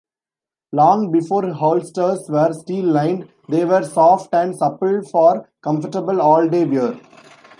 Long before holsters were steel-lined, they were soft and supple for comfortable all-day wear.